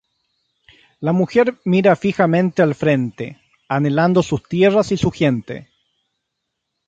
La mujer mira fijamente al frente, anhelando sus tierra y su gente.